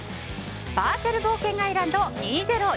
バーチャル冒険アイランド２０２２